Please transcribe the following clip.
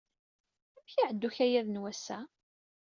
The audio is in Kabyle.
Amek ay iɛedda ukayad n wass-a?